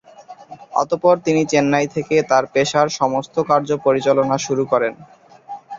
অতঃপর তিনি চেন্নাই থেকে তাঁর পেশার সমস্ত কার্য পরিচালনা শুরু করেন।